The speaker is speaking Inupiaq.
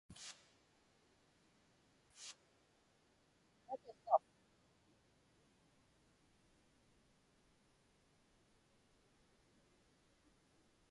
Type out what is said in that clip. Niġisa